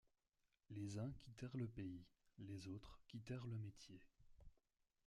Les uns quittèrent le pays, les autres quittèrent le métier.